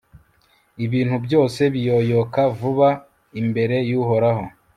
ibintu byose biyoyoka vuba imbere y'uhoraho